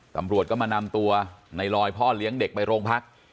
ตำรวจก็มานำตัวในลอยพ่อเลี้ยงเด็กไปโรงพัก